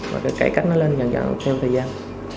và cái cách nó lên dần dần theo thời gian